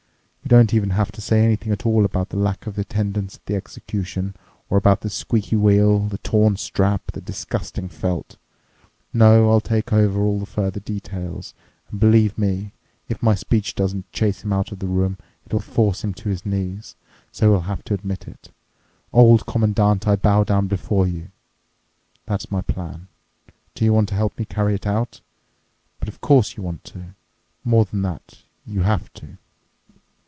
You don't even have to say anything at all about the lack of attendance at the execution or about the squeaky wheel, the torn strap, the disgusting felt. No. I'll take over all further details, and, believe me, if my speech doesn't chase him out of the room, it will force him to his knees, so he'll have to admit it: 'Old Commandant, I bow down before you.' That's my plan. Do you want to help me carry it out? But, of course, you want to. More than that—you have to."